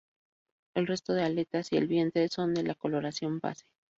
El resto de aletas y el vientre son de la coloración base.